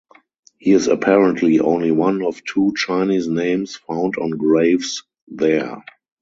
His is apparently only one of two Chinese names found on graves there.